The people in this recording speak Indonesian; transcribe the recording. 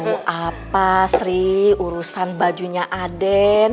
tau apa seri urusan bajunya aden